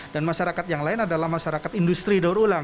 dan masyarakat yang lain adalah masyarakat industri daur ulang